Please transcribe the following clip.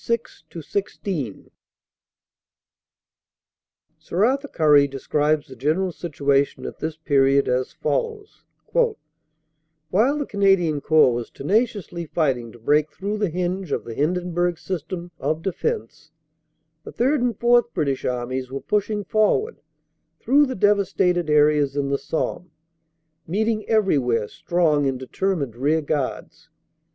6 16 SIR ARTHUR CURRIE describes the general situation at this period as follows: "While the Canadian Corps was tenaciously fighting to break through the hinge of the Hindenburg System of defense, the Third and Fourth British Armies were pushing forward through the devastated areas in the Somme, meeting everywhere strong and determined rearguards.